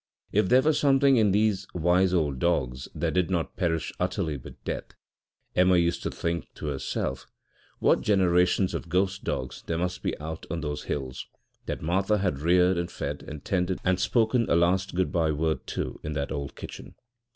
If there were something in these wise old dogs that did not perish utterly with death, Emma used to think to herself, what generations of ghost dogs there must be out on those hills, that Martha had reared and fed and tended and spoken a last goodbye word to in that old kitchen.